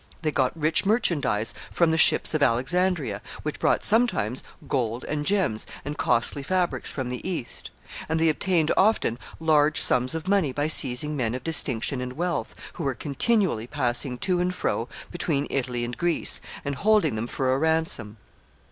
They got rich merchandise from the ships of Alexandria, which brought, sometimes, gold, and gems, and costly fabrics from the East; and they obtained, often, large sums of money by seizing men of distinction and wealth, who were continually passing to and fro between Italy and Greece, and holding them for a ransom.